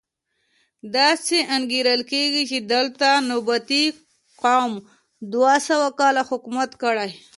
داسې انګېرل کېږي چې دلته نبطي قوم دوه سوه کاله حکومت کړی.